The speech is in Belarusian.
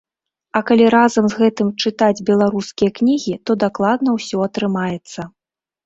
А калі разам з гэтым чытаць беларускія кнігі, то дакладна ўсё атрымаецца.